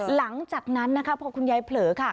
หลังจากนั้นนะคะพอคุณยายเผลอค่ะ